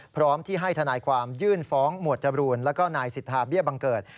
พร้อมที่ให้ทนายความยื่นฟ้องหมวดจรูนแล้วก็นายสิทธาเบี้ยบังเกิด